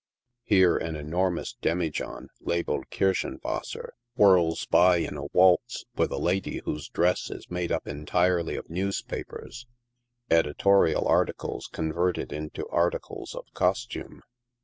Here an immense dernqohn, labelled " Kirschcnwasser," whirls by in a waltz with a lady whose dress is made up entirely of newspa pers — editorial articles converted into articles of costume.